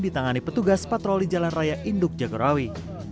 ditangani petugas patroli jalan raya induk jagorawi